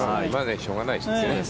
しょうがないですね。